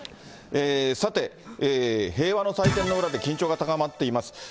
さて、平和の祭典の裏で緊張が高まっています。